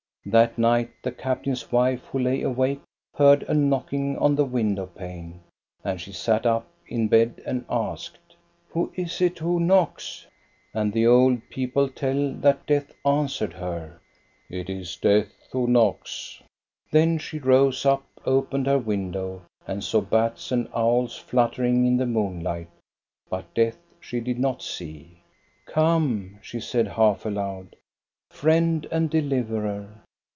That night the captain's wife, who lay awake, heard a knocking on the window pane, and she sat up in bed and asked: "Who is it who knocks?" And the old people tell that Death answered her :" It is Death who knocks." Then she rose up, opened her window, and saw bats DEATH, THE DELIVERER 369 and owls fluttering in the moonlight, but Death she did not see. " Come," she said half aloud, " friend and deliverer